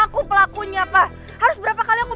mama gini paiden